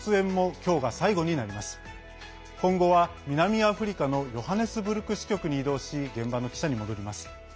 今後は南アフリカのヨハネスブルク支局に異動し現場の記者に戻ります。